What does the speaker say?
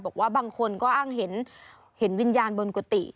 บางคนก็อ้างเห็นวิญญาณบนกุฏิ